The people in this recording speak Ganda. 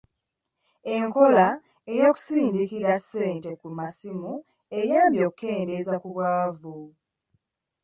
Enkola y'okusindikira ssente ku masimu eyamba okukendeeza ku bwavu.